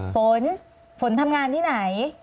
ฝนฝนทำงานที่ไหน